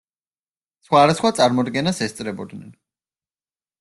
სხვადასხვა წარმოდგენას ესწრებოდნენ.